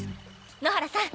野原さん